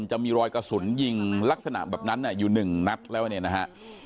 จะมีรอยกระสุนยิงลักษณะแบบนั้นอยู่หนึ่งนัดแล้วเนี่ยนะฮะ